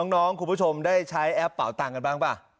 คุณผู้ชมได้ใช้แอปเป่าตังค์กันบ้างป่ะ